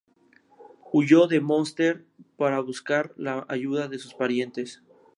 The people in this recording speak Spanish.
Huyó a Munster para buscar la ayuda de sus parientes.